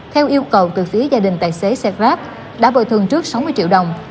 theo yêu cầu từ phía gia đình tài xế xe grab đã bồi thường trước sáu mươi triệu đồng